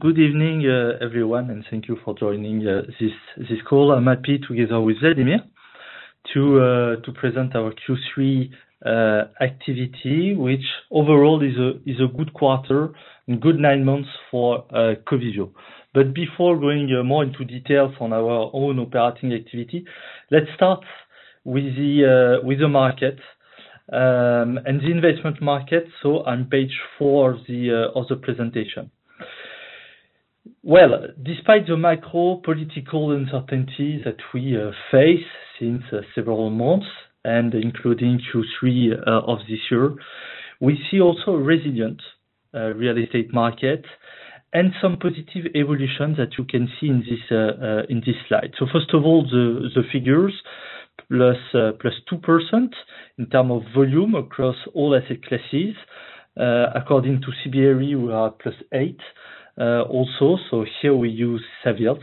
Good evening, everyone, and thank you for joining this call. I'm happy together with Vladimir to present our Q3 activity, which overall is a good quarter and good nine months for Covivio. But before going more into detail on our own operating activity, let's start with the market and the investment market. So on page four of the presentation. Well, despite the macro-political uncertainty that we face since several months and including Q3 of this year, we see also resilient real estate market and some positive evolution that you can see in this slide. So first of all, the figures plus 2% in term of volume across all asset classes. According to CBRE, we are +8%, also, so here we use Savills.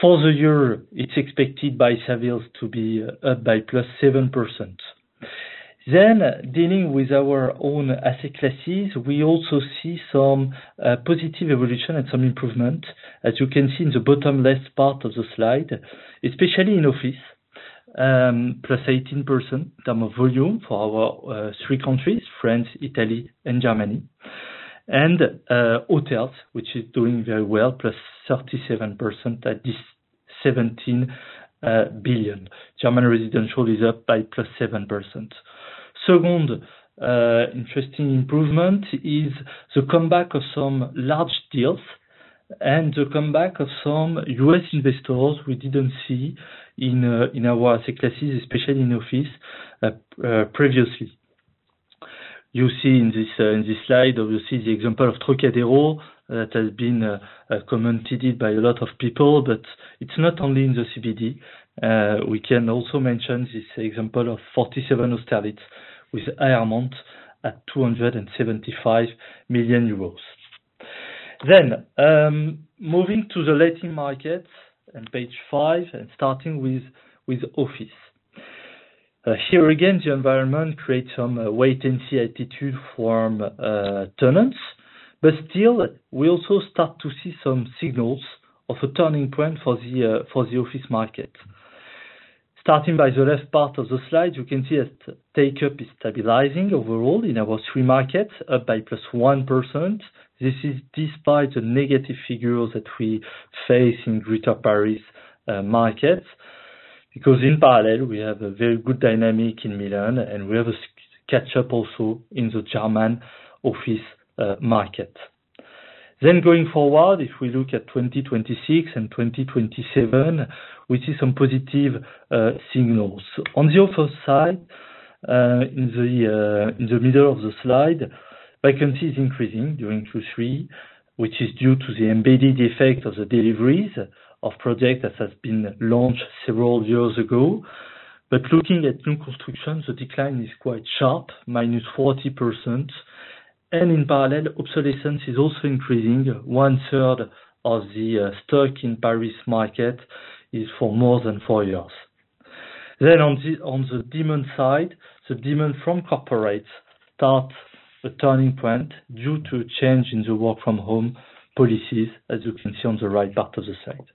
For the year, it's expected by Savills to be +7%. Then, dealing with our own asset classes, we also see some positive evolution and some improvement, as you can see in the bottom left part of the slide, especially in Office, +18% in terms of volume for our three countries, France, Italy, and Germany. And, Hotels, which is doing very well, +37% at 17 billion. German Residential is up by +7%. Second, interesting improvement is the comeback of some large deals and the comeback of some U.S. investors we didn't see in our asset classes, especially in Office, previously. You see in this slide, obviously, the example of Trocadéro. That has been commented by a lot of people, but it's not only in the CBD. We can also mention this example of 47 hotels with amount at 275 million euros. Then, moving to the letting markets on page five and starting with Office. Here again, the environment creates some wait-and-see attitude from tenants, but still, we also start to see some signals of a turning point for the Office market. Starting by the left part of the slide, you can see that takeup is stabilizing overall in our three markets, up by +1%. This is despite the negative figures that we face in Greater Paris markets, because in parallel, we have a very good dynamic in Milan, and we have a catch up also in the German Office market. Then going forward, if we look at 2026 and 2027, we see some positive signals. On the offer side, in the middle of the slide, vacancy is increasing during Q3, which is due to the embedded effect of the deliveries of projects that has been launched several years ago. But looking at new construction, the decline is quite sharp, -40%, and in parallel, obsolescence is also increasing. One third of the stock in Paris market is for more than four years. Then on the demand side, the demand from corporates starts a turning point due to change in the work-from-home policies, as you can see on the right part of the slide.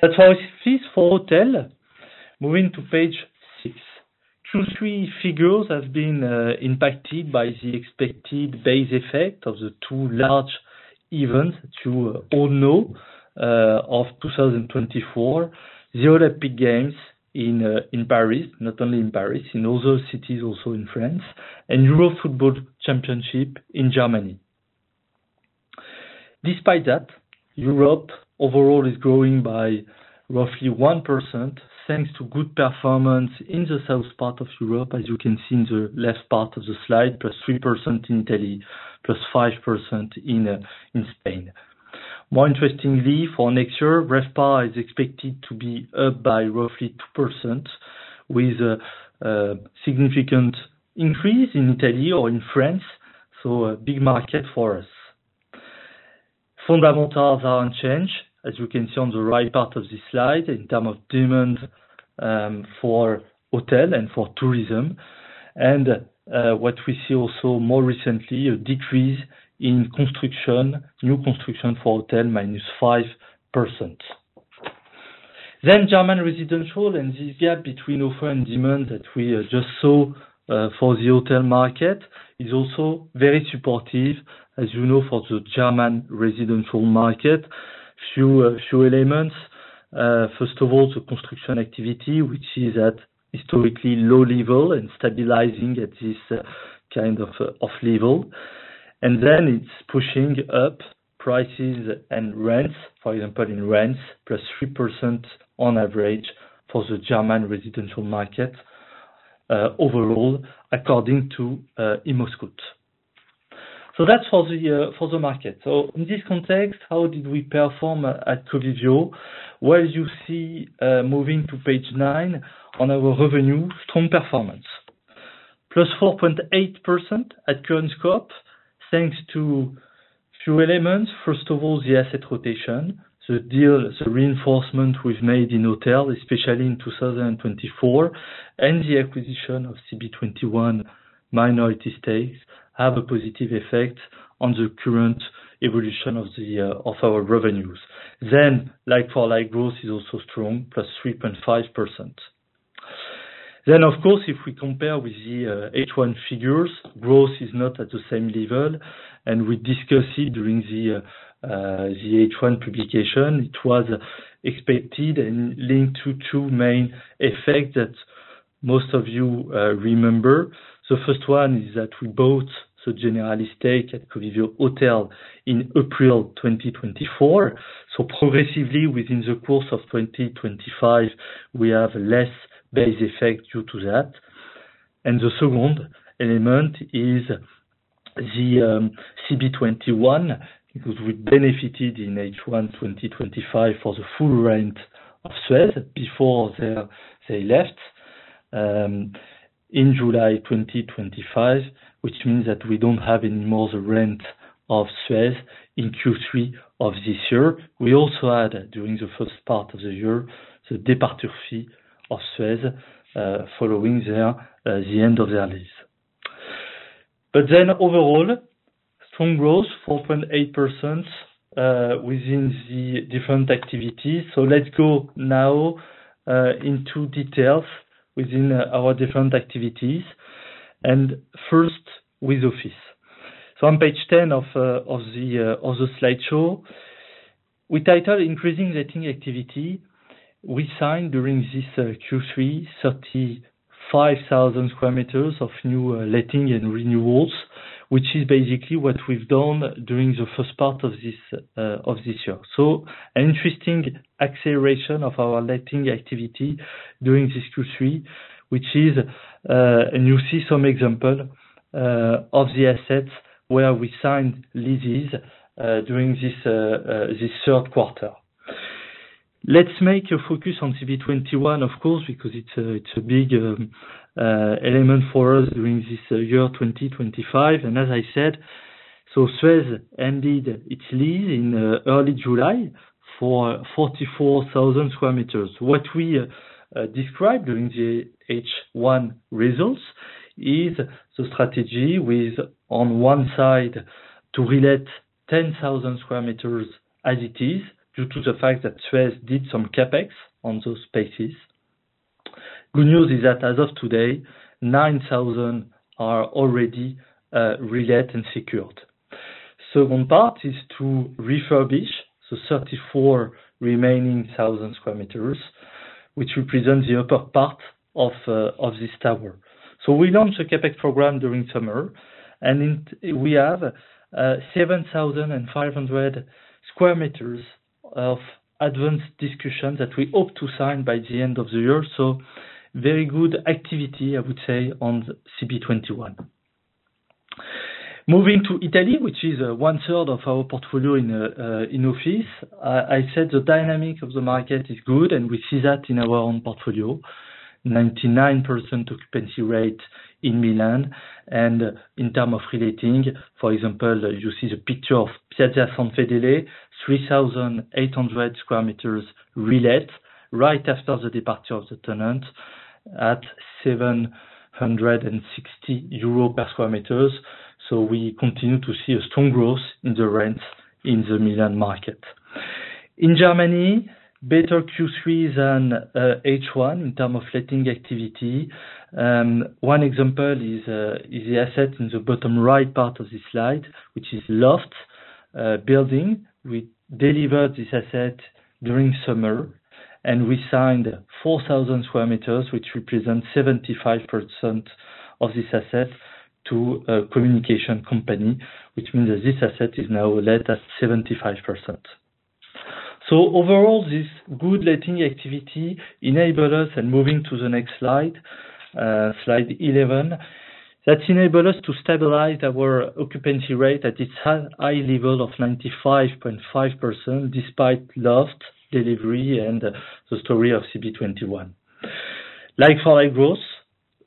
That's how it is for hotel. Moving to page six. Q3 figures have been impacted by the expected base effect of the two large events that you all know of 2024, the Olympic Games in Paris. Not only in Paris, in other cities also in France, and Euro Football Championship in Germany. Despite that, Europe overall is growing by roughly 1%, thanks to good performance in the south part of Europe, as you can see in the left part of the slide, plus 3% in Italy, plus 5% in Spain. More interestingly, for next year, RevPAR is expected to be up by roughly 2% with significant increase in Italy or in France, so a big market for us. Fundamentals are unchanged, as you can see on the right part of this slide, in terms of demand for hotel and for tourism. And, what we see also more recently, a decrease in construction, new construction for Hotel, -5%. Then German Residential, and this gap between offer and demand that we just saw for the Hotel market, is also very supportive, as you know, for the German Residential market. Few elements. First of all, the construction activity, which is at historically low level and stabilizing at this kind of off level. And then it's pushing up prices and rents. For example, in rents, +3% on average for the German Residential market, overall, according to ImmoScout. So that's for the market. So in this context, how did we perform at Covivio? Well, you see, moving to page 9 on our revenue, strong performance. +4.8% at current scope, thanks to few elements. First of all, the asset rotation, the deal, the reinforcement we've made in Hotel, especially in 2024, and the acquisition of CB21.... minority stakes have a positive effect on the current evolution of the of our revenues. Then, like-for-like growth is also strong, +3.5%. Then, of course, if we compare with the H1 figures, growth is not at the same level, and we discuss it during the the H1 publication. It was expected and linked to two main effects that most of you remember. The first one is that we bought the Generali stake at Covivio Hotels in April 2024. So progressively, within the course of 2025, we have less base effect due to that. And the second element is the CB21, because we benefited in H1 2025 for the full rent of SUEZ before they left in July 2025, which means that we don't have any more the rent of SUEZ in Q3 of this year. We also had, during the first part of the year, the departure fee of SUEZ following their the end of their lease. But then overall, strong growth, 4.8%, within the different activities. So let's go now into details within our different activities, and first, with Office. So on page 10 of the slideshow, we title increasing letting activity. We signed during this Q3, 35,000 square meters of new letting and renewals, which is basically what we've done during the first part of this of this year. So an interesting acceleration of our letting activity during this Q3, which is, and you see some example of the assets where we signed leases during this third quarter. Let's make a focus on CB21, of course, because it's a big element for us during this year 2025. As I said, SUEZ ended its lease in early July for 44,000 square meters. What we describe during the H1 results is the strategy with, on one side, to relet 10,000 square meters as it is, due to the fact that SUEZ did some CapEx on those spaces. Good news is that as of today, 9,000 are already relet and secured. Second part is to refurbish, so 34,000 remaining square meters, which represents the upper part of this tower. So we launched a CapEx program during summer, and we have 7,500 square meters of advanced discussions that we hope to sign by the end of the year. So very good activity, I would say, on CB21. Moving to Italy, which is one third of our portfolio in Office. I said the dynamic of the market is good, and we see that in our own portfolio, 99% occupancy rate in Milan. And in terms of reletting, for example, you see the picture of Piazza San Fedele, 3,800 square meters relet, right after the departure of the tenant at 760 euro per square meter. So we continue to see a strong growth in the rents in the Milan market. In Germany, better Q3 than H1 in terms of letting activity. One example is the asset in the bottom right part of this slide, which is Loft building. We delivered this asset during summer, and we signed 4,000 square meters, which represents 75% of this asset to a communication company, which means that this asset is now let at 75%. So overall, this good letting activity enabled us, and moving to the next slide, slide 11. That enabled us to stabilize our occupancy rate at its high, high level of 95.5%, despite Loft delivery and the story of CB21. Like-for-like growth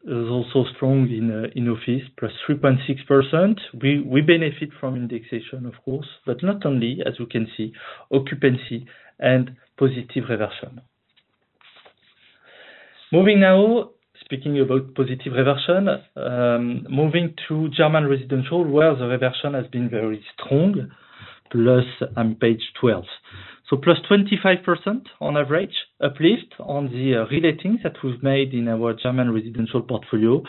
is also strong in Office +3.6%. We benefit from indexation, of course, but not only, as you can see, occupancy and positive reversion. Moving now, speaking about positive reversion, moving to German Residential, where the reversion has been very strong, plus, page 12. So +25% on average, uplift on the reletting that we've made in our German Residential portfolio,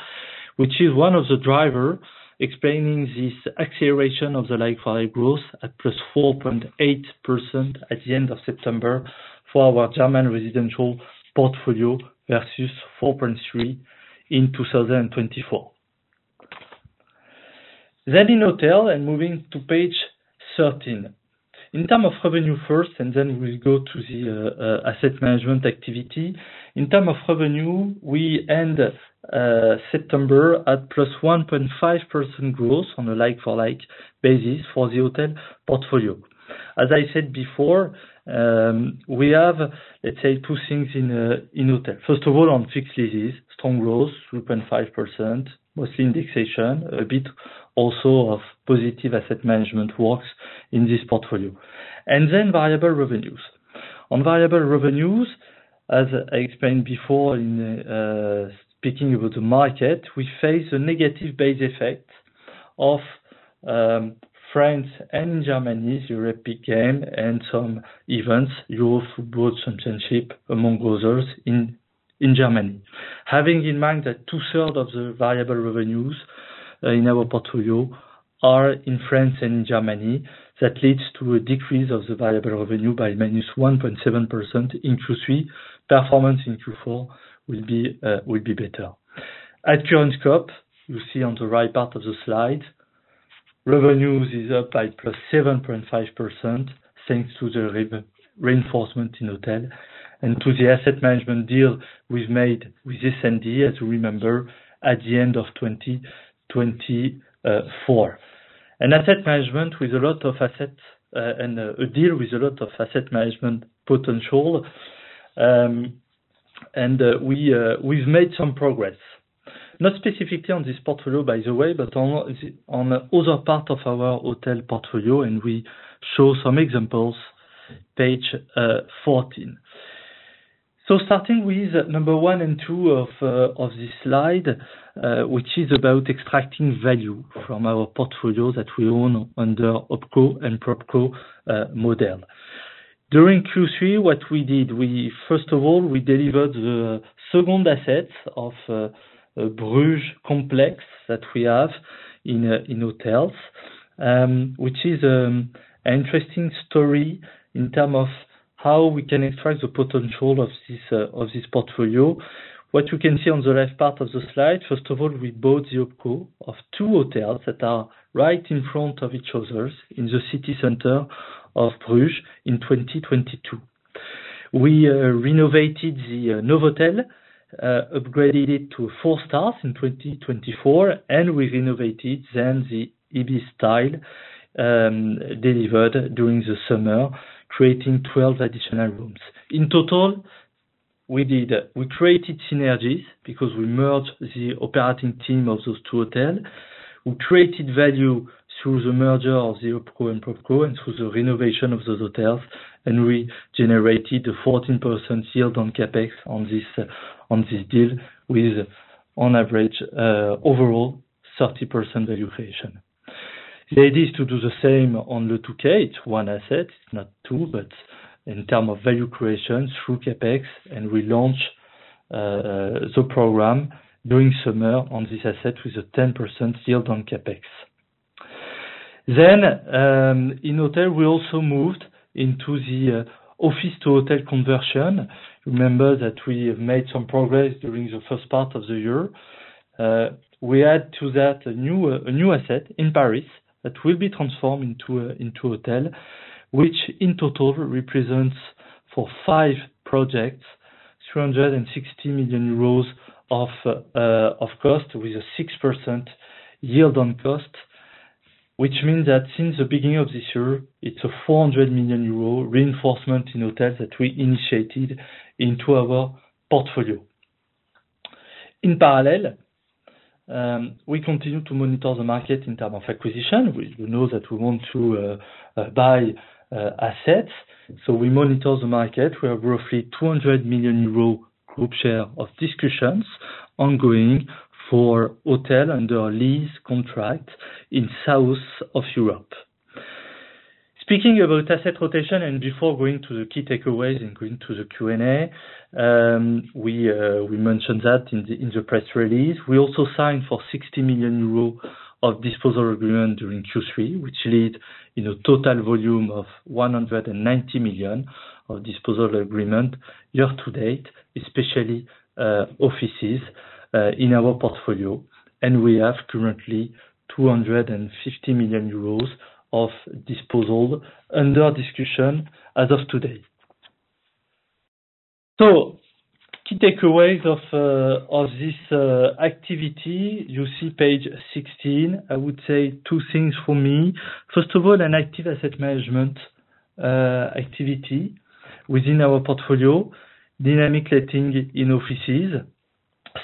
which is one of the driver explaining this acceleration of the like-for-like growth at +4.8% at the end of September for our German Residential portfolio, versus 4.3 in 2024. Then in Hotel and moving to page 13. In terms of revenue first, and then we will go to the asset management activity. In terms of revenue, we end September at +1.5% growth on a like-for-like basis for the Hotel portfolio. As I said before, we have, let's say, two things in Hotel. First of all, on fixed leases, strong growth, 2.5%, mostly indexation, a bit also of positive asset management works in this portfolio. Then variable revenues. On variable revenues, as I explained before in speaking about the market, we face a negative base effect of France and Germany's European game and some events, Europe Football Championship, among others, in Germany. Having in mind that two-thirds of the variable revenues in our portfolio are in France and Germany, that leads to a decrease of the variable revenue by -1.7% in Q3. Performance in Q4 will be better. At current scope, you see on the right part of the slide, revenues is up by +7.5%, thanks to the reinforcement in Hotel and to the asset management deal we've made with [B&B], as you remember, at the end of 2024. And asset management with a lot of assets, and a deal with a lot of asset management potential, and we've made some progress. Not specifically on this portfolio, by the way, but on the other part of our Hotel portfolio, and we show some examples, page 14. So starting with number one and two of this slide, which is about extracting value from our portfolio that we own under OpCo and PropCo model. During Q3, what we did, we first of all, we delivered the second asset of a Bruges complex that we have in Hotels, which is an interesting story in terms of how we can extract the potential of this portfolio. What you can see on the left part of the slide, first of all, we bought the OpCo of two Hotels that are right in front of each other in the city center of Bruges in 2022. We renovated the Novotel, upgraded it to four stars in 2024, and we've renovated then the ibis Styles, delivered during the summer, creating 12 additional rooms. In total, we did, we created synergies because we merged the operating team of those two Hotels. We created value through the merger of the OpCo and PropCo, and through the renovation of those Hotels, and we generated a 14% yield on CapEx on this, on this deal with, on average, overall 30% valuation. The idea is to do the same on the 2K, it's one asset, not two, but in term of value creation through CapEx, and we launch the program during summer on this asset with a 10% yield on CapEx. Then, in Hotel, we also moved into the office-to-hotel conversion. Remember that we have made some progress during the first part of the year. We add to that a new asset in Paris that will be transformed into a hotel, which in total represents for five projects 360 million euros of cost with a 6% yield on cost. Which means that since the beginning of this year, it's a 400 million euro reinforcement in Hotels that we initiated into our portfolio. In parallel, we continue to monitor the market in terms of acquisition. We know that we want to buy assets, so we monitor the market. We have roughly 200 million euro group share of discussions ongoing for Hotel under a lease contract in south of Europe. Speaking about asset rotation and before going to the key takeaways and going to the Q&A, we mentioned that in the press release. We also signed for 60 million euros of disposal agreement during Q3, which lead in a total volume of 190 million of disposal agreement year to date, especially, Offices, in our portfolio. And we have currently 250 million euros of disposal under discussion as of today. So key takeaways of this activity, you see page 16. I would say two things for me. First of all, an active asset management, activity within our portfolio, dynamically letting in Offices,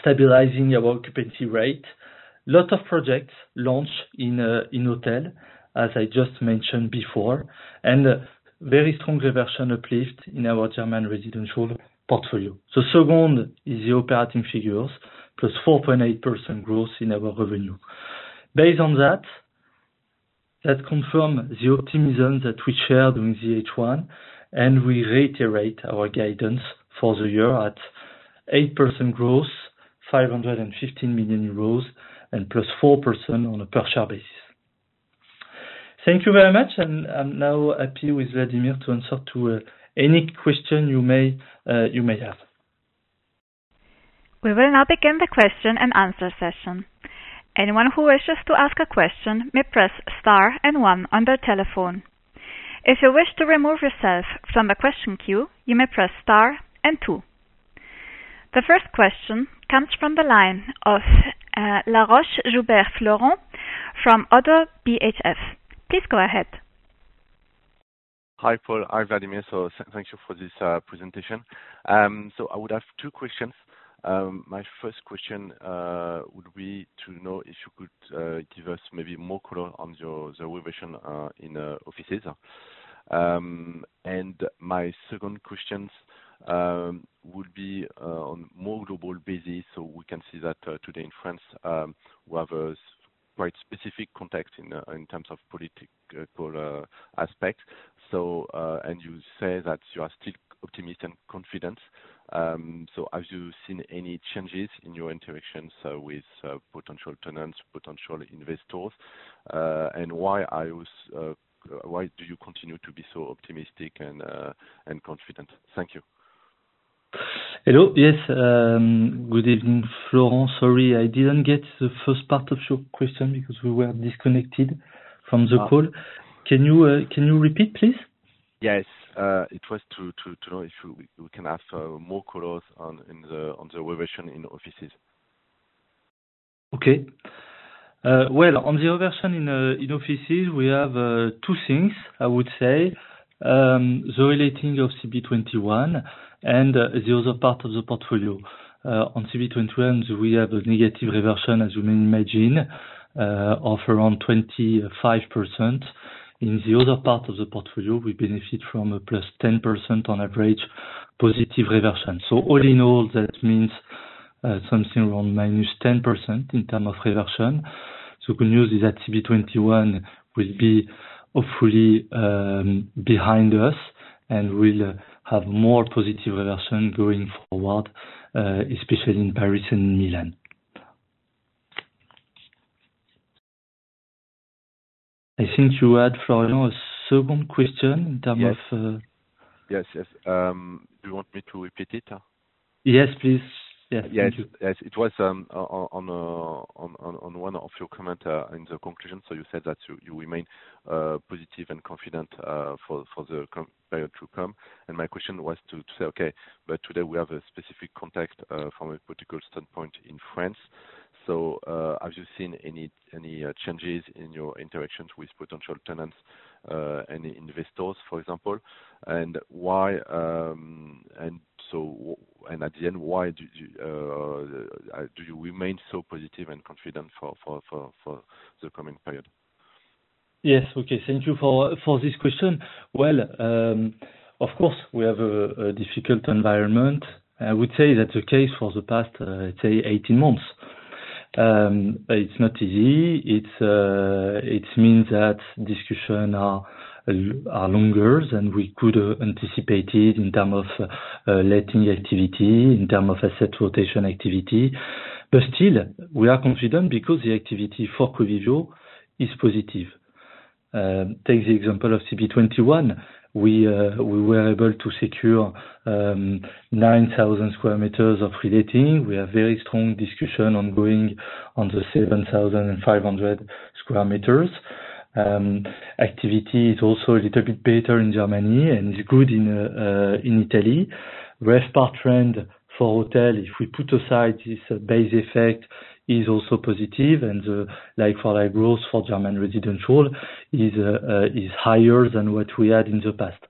stabilizing our occupancy rate. Lot of projects launched in Hotel, as I just mentioned before, and very strong reversion uplift in our German Residential portfolio. So second, is the operating figures, plus 4.8% growth in our revenue. Based on that, that confirm the optimism that we share during the H1, and we reiterate our guidance for the year at 8% growth, 515 million euros and +4% on a per share basis. Thank you very much, and I'm now happy with Vladimir to answer to any question you may, you may have. We will now begin the question-and-answer session. Anyone who wishes to ask a question may press star and one on their telephone. If you wish to remove yourself from the question queue, you may press star and two. The first question comes from the line of Florent Laroche-Joubert from ODDO BHF. Please go ahead. Hi, Paul. Hi, Vladimir. So thank you for this presentation. So I would have two questions. My first question would be to know if you could give us maybe more color on the reversion in Offices? And my second questions would be on more global basis. So we can see that today in France we have a quite specific context in terms of political aspect. So you say that you are still optimistic and confident. So have you seen any changes in your interactions with potential tenants, potential investors? And why do you continue to be so optimistic and confident? Thank you. Hello. Yes, good evening, Florent. Sorry, I didn't get the first part of your question because we were disconnected from the call. Ah. Can you, can you repeat, please? Yes. It was to know if we can have more colors on the reversion in Offices. Okay. Well, on the reversion in Offices, we have two things, I would say. The reletting of CB21 and the other part of the portfolio. On CB21, we have a negative reversion, as you may imagine, of around 25%. In the other part of the portfolio, we benefit from a +10% on average, positive reversion. So all in all, that means something around -10% in terms of reversion. So good news is that CB21 will be hopefully behind us, and we'll have more positive reversion going forward, especially in Paris and Milan. I think you had, Florent, a second question in terms of- Yes. Yes, yes. Do you want me to repeat it? Yes, please. Yes. Yes. Yes. It was on one of your comments in the conclusion, so you said that you remain positive and confident for the coming period to come. And my question was to say, okay, but today we have a specific context from a political standpoint in France. So, have you seen any changes in your interactions with potential tenants, any investors, for example? And why, and so, and at the end, why do you remain so positive and confident for the coming period? Yes. Okay. Thank you for this question. Well, of course, we have a difficult environment. I would say that's the case for the past, say 18 months. It's not easy. It means that discussions are longer than we could have anticipated in terms of letting activity, in terms of asset rotation activity. But still, we are confident because the activity for Covivio is positive. Take the example of CB21. We were able to secure 9,000 square meters of reletting. We have very strong discussion ongoing on the 7,500 square meters. Activity is also a little bit better in Germany, and it's good in Italy. of the trend for Hotels, if we put aside this base effect, is also positive, and like-for-like growth for German Residential is higher than what we had in the past.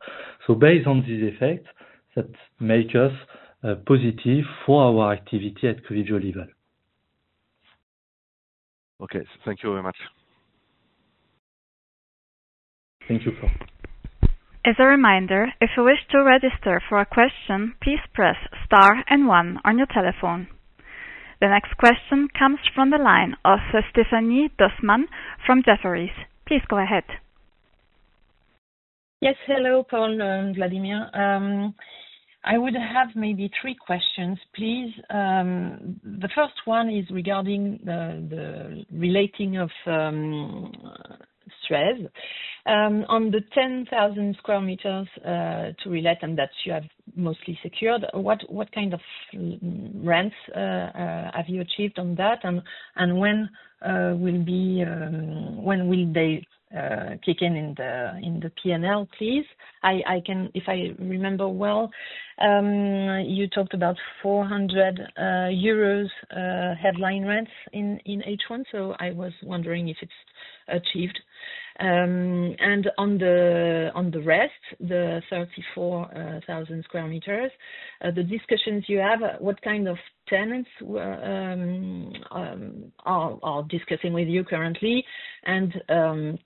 So based on this effect, that makes us positive for our activity at Covivio level. Okay. Thank you very much. Thank you, Florent. As a reminder, if you wish to register for a question, please press star and one on your telephone. The next question comes from the line of Stéphanie Dossmann from Jefferies. Please go ahead. Yes. Hello, Paul and Vladimir. I would have maybe three questions, please. The first one is regarding the reletting of SUEZ. On the 10,000 square meters to relet on that you have mostly secured, what kind of per sq m rents have you achieved on that? And when will they kick in in the PNL, please? If I remember well, you talked about 400 euros headline rents in H1, so I was wondering if it's achieved. And on the rest, the 34,000 square meters, the discussions you have, what kind of tenants are discussing with you currently? And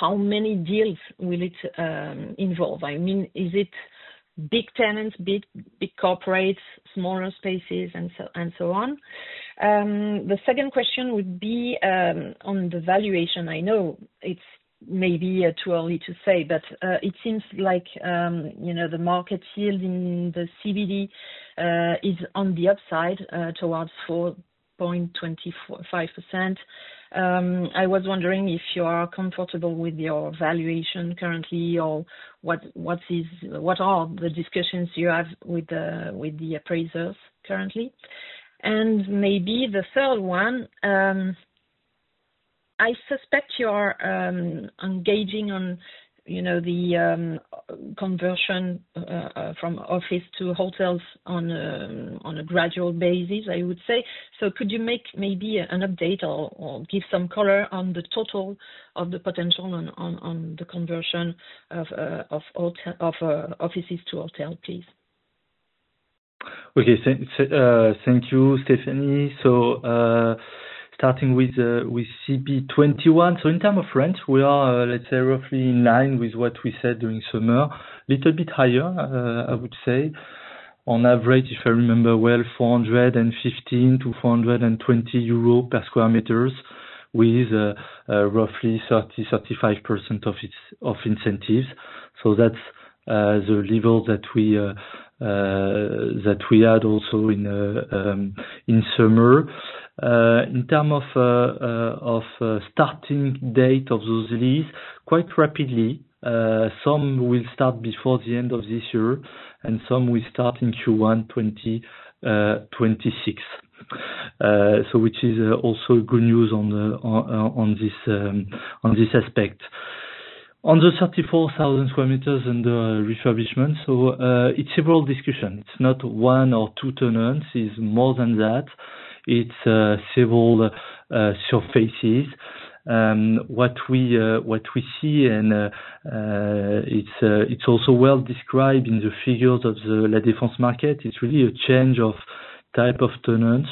how many deals will it involve? I mean, is it big tenants, big, big corporates, smaller spaces, and so, and so on? The second question would be, on the valuation. I know it's maybe, too early to say, but, it seems like, you know, the market yield in the CBD, is on the upside, towards 4.245%. I was wondering if you are comfortable with your valuation currently or what are the discussions you have with the appraisers currently? And maybe the third one, I suspect you are, engaging on, you know, the, conversion, from office to hotels on, on a gradual basis, I would say. So could you make maybe an update or give some color on the total of the potential on the conversion of offices to hotel, please? Okay, thank you, Stéphanie. So, starting with CB21. So in terms of rent, we are, let's say, roughly in line with what we said during summer. Little bit higher, I would say, on average, if I remember well, 415-420 euros per square meter with roughly 30%-35% of incentives. So that's the level that we had also in summer. In terms of starting dates of those leases, quite rapidly, some will start before the end of this year, and some will start in Q1 2026. So which is also good news on this aspect. On the 34,000 square meters and the refurbishment, so, it's several discussions, not one or two tenants, it's more than that. It's several surfaces. What we see and it's also well described in the figures of the La Défense market, it's really a change of type of tenants.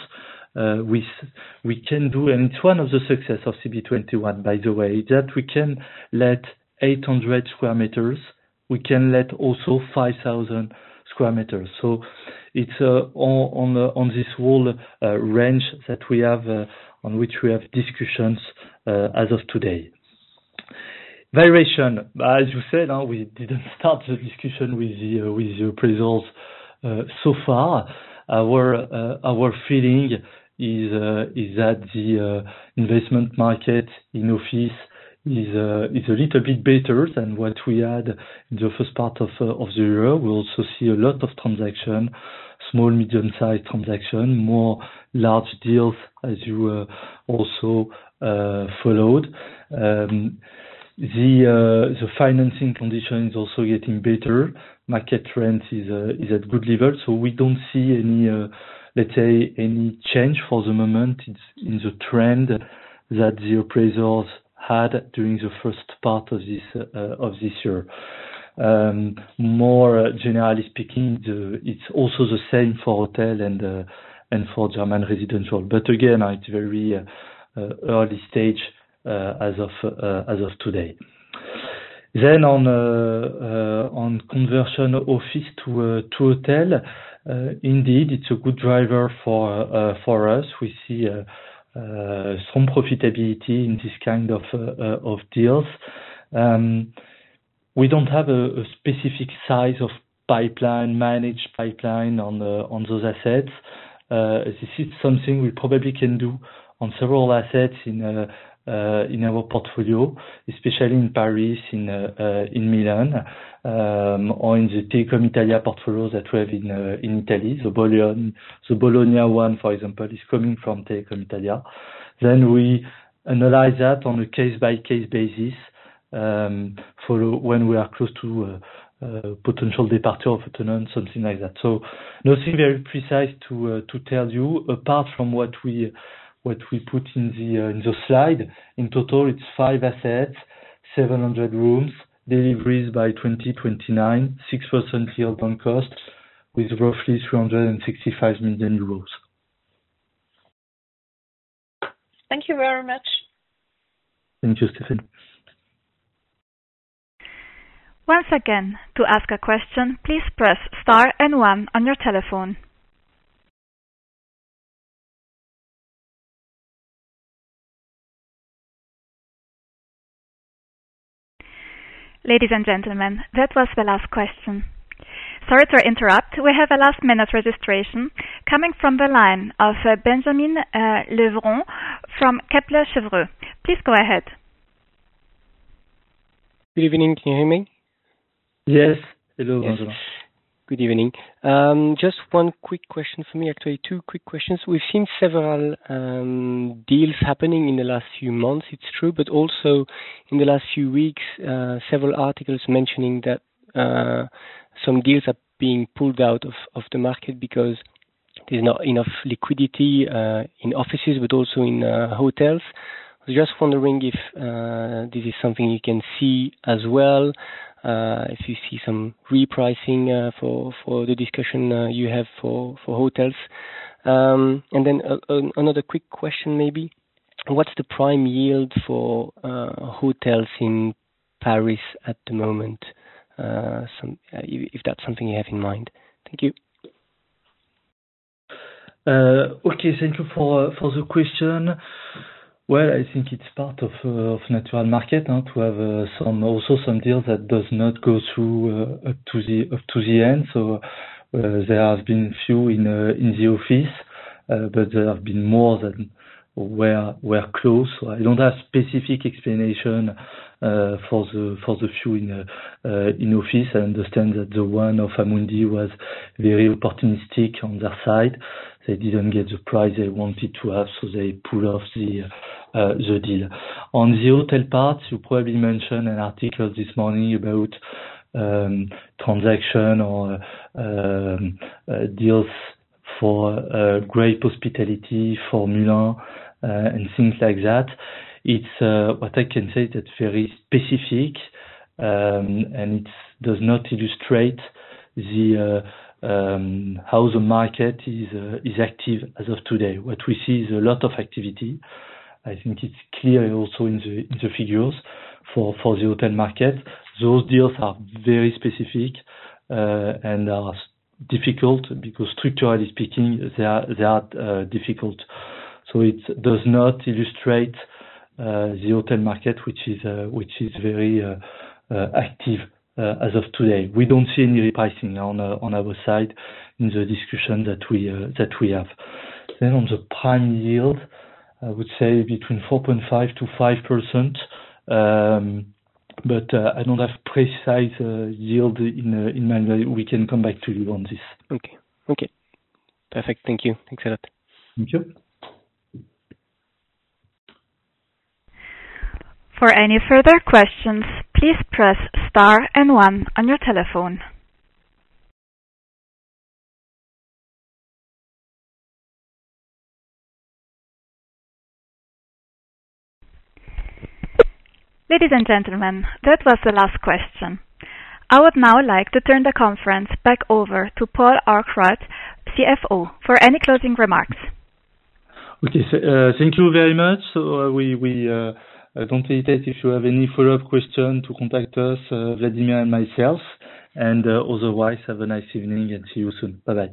We can do, and it's one of the success of CB21, by the way, that we can let 800 square meters, we can let also 5,000 square meters. So it's on this whole range that we have on which we have discussions as of today. Variation, as you said, we didn't start the discussion with your appraisals. So far, our feeling is that the investment market in Office is a little bit better than what we had in the first part of the year. We also see a lot of transaction, small medium-sized transaction, more large deals, as you also followed. The financing condition is also getting better. Market trend is at good level, so we don't see any, let's say, any change for the moment in the trend that the appraisals had during the first part of this year. More generally speaking, it's also the same for Hotel and for German Residential, but again, it's very early stage as of today. Then on conversion office to hotel, indeed, it's a good driver for us. We see some profitability in this kind of deals. We don't have a specific size of pipeline, managed pipeline on those assets. This is something we probably can do on several assets in our portfolio, especially in Paris, in Milan, or in the Telecom Italia portfolio that we have in Italy. The Bologna one, for example, is coming from Telecom Italia. Then we analyze that on a case-by-case basis, for when we are close to potential departure of tenant, something like that. So nothing very precise to tell you, apart from what we put in the slide. In total, it's five assets, 700 rooms, deliveries by 2029, 6% yield on cost, with roughly 365 million euros. Thank you very much. Thank you, Stéphanie. Once again, to ask a question, please press star and one on your telephone. Ladies and gentlemen, that was the last question. Sorry to interrupt. We have a last-minute registration coming from the line of Benjamin Legrand from Kepler Cheuvreux. Please go ahead. Good evening. Can you hear me? Yes. Hello, Benjamin. Good evening. Just one quick question for me, actually, two quick questions. We've seen several deals happening in the last few months, it's true, but also in the last few weeks, several articles mentioning that some deals are being pulled out of the market because there's not enough liquidity in Offices, but also in Hotels. I was just wondering if this is something you can see as well, if you see some repricing for the discussion you have for Hotels? And then another quick question maybe. What's the prime yield for Hotels in Paris at the moment? If that's something you have in mind. Thank you. Okay, thank you for the question. Well, I think it's part of natural market to have some also some deals that does not go through to the end. So, there have been few in the Office, but there have been more than were close. I don't have specific explanation for the few in Office. I understand that the one of Amundi was very opportunistic on their side. They didn't get the price they wanted to have, so they pulled off the deal. On the Hotel part, you probably mentioned an article this morning about transaction or deals for great hospitality for Milan, and things like that. It's what I can say that's very specific, and it's does not illustrate the how the market is active as of today. What we see is a lot of activity. I think it's clear also in the figures for the Hotel market. Those deals are very specific and are difficult because structurally speaking, they are difficult. So it does not illustrate the Hotel market, which is very active as of today. We don't see any repricing on our side in the discussion that we have. Then on the prime yield, I would say between 4.5%-5%, but I don't have precise yield in mind. We can come back to you on this. Okay. Okay, perfect. Thank you. Thanks a lot. Thank you. For any further questions, please press star and one on your telephone. Ladies and gentlemen, that was the last question. I would now like to turn the conference back over to Paul Arkwright, CFO, for any closing remarks. Okay. So, thank you very much. So, we don't hesitate if you have any follow-up question, to contact us, Vladimir and myself, and, otherwise, have a nice evening and see you soon. Bye-bye.